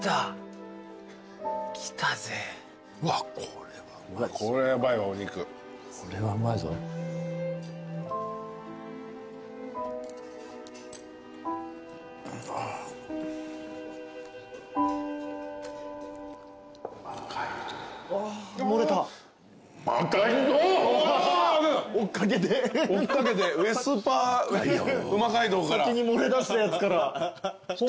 先に漏れ出したやつから本丸が。